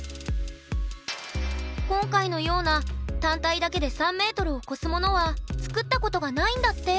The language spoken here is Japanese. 今回のような単体だけで３ｍを超すものは作ったことがないんだって。